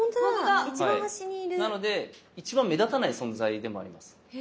なので一番目立たない存在でもあります。